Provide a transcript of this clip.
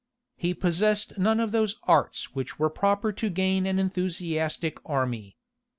He possessed none of those arts which were proper to gain an enthusiastic army.